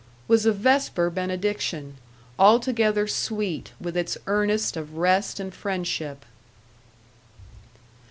was a vesper benediction, altogether sweet with its earnest of rest and friendship.